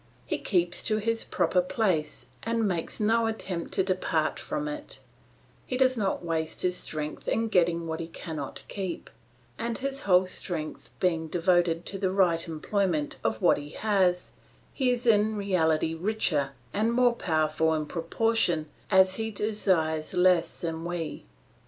He keeps to his proper place and makes no attempt to depart from it; he does not waste his strength in getting what he cannot keep; and his whole strength being devoted to the right employment of what he has, he is in reality richer and more powerful in proportion as he desires less than we.